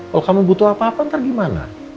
kalau kamu butuh apa apa ntar gimana